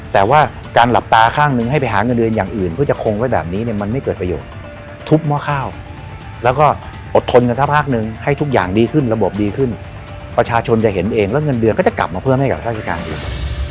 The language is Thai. แต่ว่าการหลับตาข้างนึงให้ไปหาเงินเดือนอย่างอื่นเพื่อจะคงไว้แบบนี้เนี่ยมันไม่เกิดประโยชน์ทุบหม้อข้าวแล้วก็อดทนกันสักพักนึงให้ทุกอย่างดีขึ้นระบบดีขึ้นประชาชนจะเห็นเองแล้วเงินเดือนก็จะกลับมาเพิ่มให้กับราชการอีก